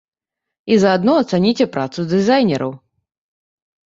І заадно ацаніце працу дызайнераў!